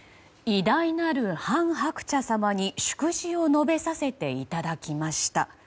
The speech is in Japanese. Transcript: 偉大なる韓鶴子様に祝辞を述べさせていただきました。